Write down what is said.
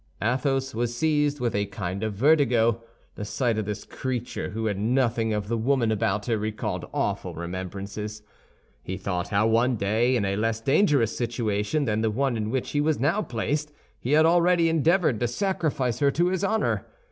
Athos was seized with a kind of vertigo. The sight of this creature, who had nothing of the woman about her, recalled awful remembrances. He thought how one day, in a less dangerous situation than the one in which he was now placed, he had already endeavored to sacrifice her to his honor.